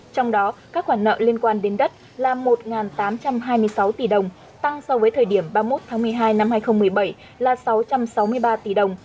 trong đó các khoản nợ liên quan đến đất là một tám trăm hai mươi sáu tỷ đồng tăng so với thời điểm ba mươi một tháng một mươi hai năm hai nghìn một mươi bảy là sáu trăm sáu mươi ba tỷ đồng